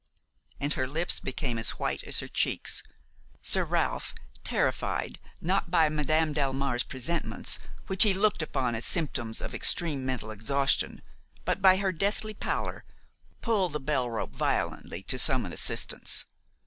And her lips became as white as her cheeks. Sir Ralph, terrified, not by Madame Delmare's presentiments, which he looked upon as symptoms of extreme mental exhaustion, but by her deathly pallor, pulled the bell rope violently to summon assistance.